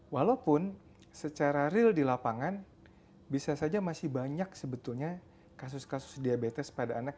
walaupun secara real di lapangan bisa saja masih banyak sebetulnya kasus kasus diabetes pada anak